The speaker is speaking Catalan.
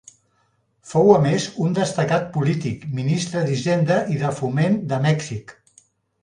Fou a més un destacat polític, Ministre d'Hisenda i de Foment de Mèxic.